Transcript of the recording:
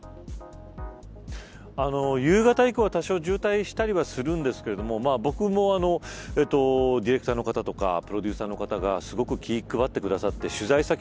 夕方以降は多少、渋滞しますが僕もディレクターの方やプロデューサーの方がすごく気を配ってくだっ